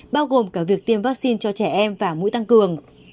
bao gồm cả việc tiêm vaccine cho trẻ em và mũi tăng cường